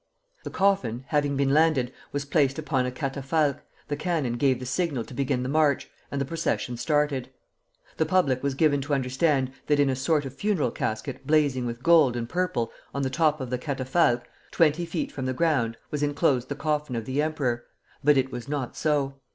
The coffin, having been landed, was placed upon a catafalque, the cannon gave the signal to begin the march, and the procession started. The public was given to understand that in a sort of funeral casket blazing with gold and purple, on the top of the catafalque, twenty feet from the ground, was enclosed the coffin of the Emperor; but it was not so.